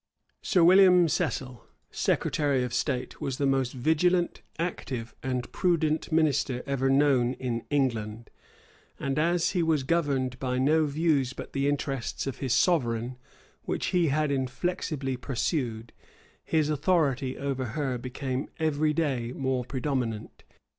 Sir William Cecil, secretary of state, was the most vigilant, active, and prudent minister ever known in England; and as he was governed by no views but the interests of his sovereign which he had inflexibly pursued, his authority over her became every day more predominant.